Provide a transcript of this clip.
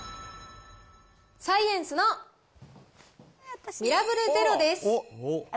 サイエンスのミラブルゼロです。